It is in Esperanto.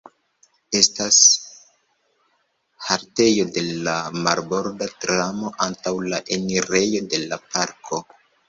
Estas haltejo de la marborda tramo antaŭ la enirejo de la parko.